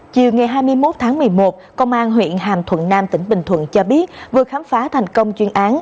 trước đó ngày một mươi sáu tháng một mươi một cũng tại phường phước tân phòng cảnh sát kinh tế công an tỉnh bắt quả tan cao xuân hải năm mươi tám tuổi ngụ tp biên hòa